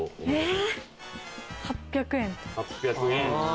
８００円。